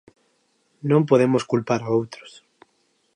Non podemos culpar a outros.